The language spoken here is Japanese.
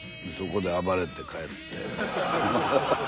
そこで暴れて帰って。